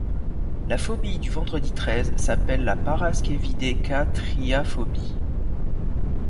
La phobie du vendredi treize s'appelle la paraskevidékatriaphobie.